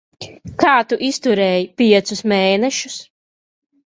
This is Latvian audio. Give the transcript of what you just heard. Kā tu izturēji piecus mēnešus?